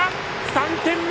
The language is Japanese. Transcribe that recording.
３点目！